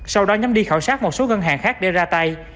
sau đó nhóm đi khảo sát một số ngân hàng khác để ra tay